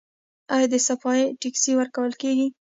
آیا د صفايي ټکس ورکول کیږي؟